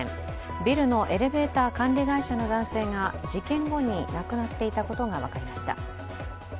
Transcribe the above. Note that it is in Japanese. ビルのエレベーター管理会社の男性が事件後に亡くなっていたことが分かりました。